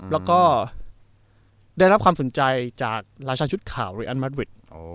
แล้วก็ได้รับความสนใจจากราชาชุดข่าวหรืออันมัดวิด